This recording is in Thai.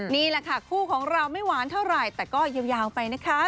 นี่แหละค่ะคู่ของเราไม่หวานเท่าไหร่แต่ก็ยาวไปนะคะ